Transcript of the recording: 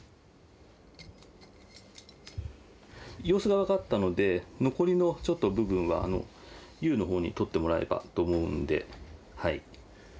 様子が分かったので残りのちょっと部分は悠の方に取ってもらえばと思うんではい。